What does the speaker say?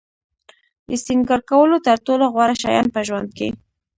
د سینگار کولو تر ټولو غوره شیان په ژوند کې.